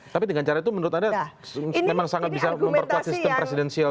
tapi dengan cara itu menurut anda memang sangat bisa memperkuat sistem presidensial